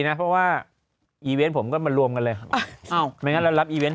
นะเพราะว่าอีเวนต์ผมก็มารวมกันเลยครับอ้าวไม่งั้นเรารับอีเวนต